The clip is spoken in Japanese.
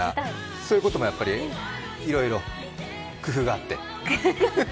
そういうこともいろいろ工夫があって？